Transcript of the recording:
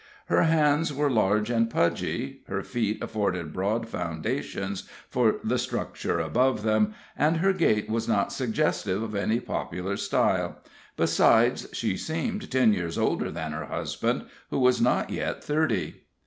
Her hands were large and pudgy, her feet afforded broad foundations for the structure above them, and her gait was not suggestive of any popular style. Besides, she seemed ten years older than her husband, who was not yet thirty.